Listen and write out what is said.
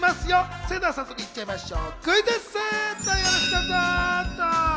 それでは早速行っちゃいましょう。